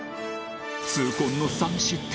痛恨の３失点